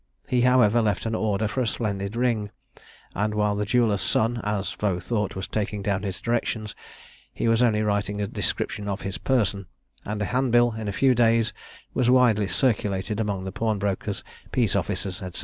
He, however, left an order for a splendid ring; and, while the jeweller's son, as Vaux thought, was taking down his directions, he was only writing a description of his person, and a handbill in a few days was widely circulated among the pawnbrokers, peace officers, &c.